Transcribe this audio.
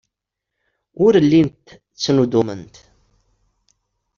Ur llint ttnuddument.